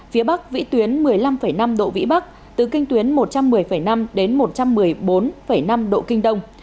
phía bắc vĩ tuyến một mươi năm năm độ vĩ bắc từ kinh tuyến một trăm một mươi năm đến một trăm một mươi bốn năm độ kinh đông